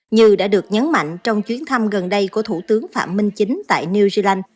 như đã được nhấn mạnh trong chuyến thăm gần đây của thủ tướng phạm minh chính tại new zealand